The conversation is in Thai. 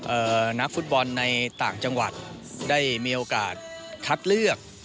นักฟุตบอลในต่างจังหวัดได้มีโอกาสคัดเลือก